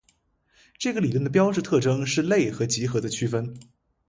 这个理论的标志特征是类和集合的区分。